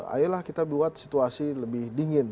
ayolah kita buat situasi lebih dingin